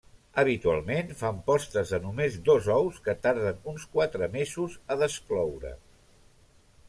Habitualment, fan postes de només dos ous, que tarden uns quatre mesos a descloure.